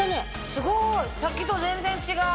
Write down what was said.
すごいさっきと全然違う。